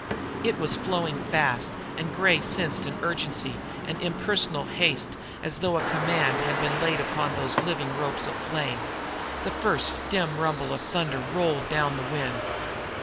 It was flowing fast, and Gray sensed an urgency, an impersonal haste, as though a command had been laid upon those living ropes of flame. The first dim rumble of thunder rolled down the wind.